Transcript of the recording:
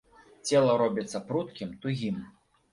Цела робіцца пруткім, тугім.